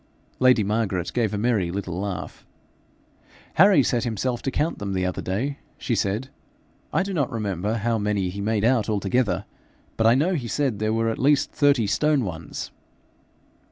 Lady Margaret gave a merry little laugh. 'Harry set himself to count them the other day,' she said. 'I do not remember how many he made out altogether, but I know he said there were at least thirty stone ones.'